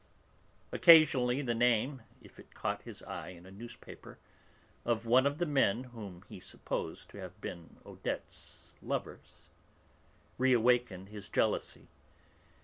Occasionally the name, if it caught his eye in a newspaper, of one of the men whom he supposed to have been Odette's lovers, reawakened his jealousy.